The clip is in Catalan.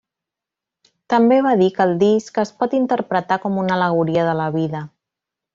També va dir que el disc es pot interpretar com una al·legoria de la vida.